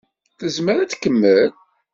Tezmer ad tkemmel?